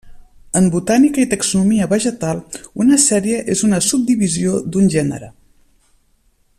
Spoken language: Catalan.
En botànica i taxonomia vegetal, una sèrie és una subdivisió d'un gènere.